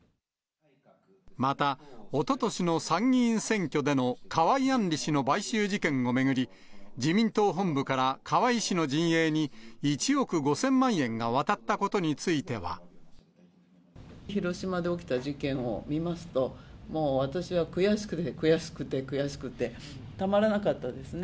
また、おととしの参議院選挙での河井案里氏の買収事件を巡り、自民党本部から河井氏の陣営に１億５０００万円が渡ったことにつ広島で起きた事件を見ますと、もう私は悔しくて悔しくて悔しくてたまらなかったですね。